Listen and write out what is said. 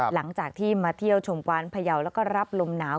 หลังจากที่มาเที่ยวชมกวานพยาวแล้วก็รับลมหนาว